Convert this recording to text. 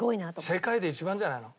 世界で一番じゃないの？